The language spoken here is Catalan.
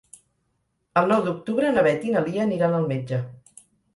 El nou d'octubre na Beth i na Lia aniran al metge.